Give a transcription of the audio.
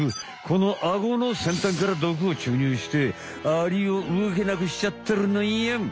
このアゴのせんたんから毒を注入してアリをうごけなくしちゃってるのよん。